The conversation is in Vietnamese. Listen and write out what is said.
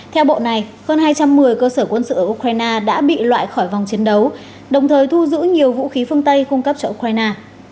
theo bộ này hơn hai trăm một mươi cơ sở quân sự ở ukraine đã bị loại khỏi vòng chiến đấu đồng thời thu giữ nhiều vũ khí phương tây cung cấp cho ukraine